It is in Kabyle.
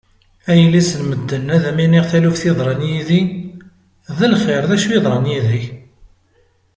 A yelli-s n medden ad am-iniɣ taluft yeḍran yid-i! D lxir, d acu yeḍran yid-k?